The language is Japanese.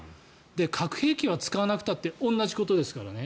核兵器は使わなくたって同じことですからね。